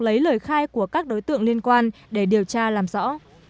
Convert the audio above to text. lấy lời khai của các đối tượng liên quan để điều tra làm rõ